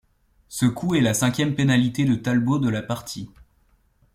Ce coup est la cinquième pénalité de Talbot de la partie.